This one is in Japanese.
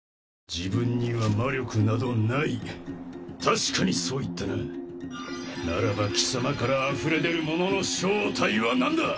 自分には魔力などない確かにそう言ったなならば貴様からあふれ出るものの正体は何だ！